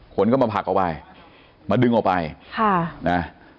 คนก็มาผลักออกไปมาดึงออกไปค่ะนะ